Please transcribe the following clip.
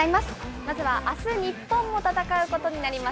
まずはあす日本も戦うことになります